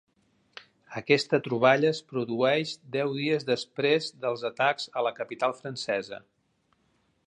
Aquesta troballa es produeix deu dies després dels atacs a la capital francesa.